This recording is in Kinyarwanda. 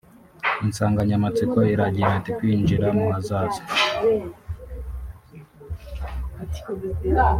Insanganyamatsiko iragira iti “Kwinjira mu Hazaza